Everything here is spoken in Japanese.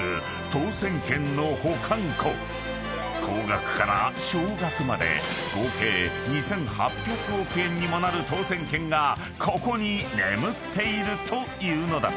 ［高額から少額まで合計２，８００億円にもなる当せん券がここに眠っているというのだ］